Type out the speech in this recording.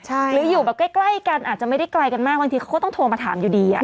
หรืออยู่แบบใกล้กันอาจจะไม่ได้ไกลกันมากบางทีเขาก็ต้องโทรมาถามอยู่ดี